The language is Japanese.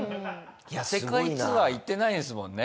世界ツアー行ってないんですもんね。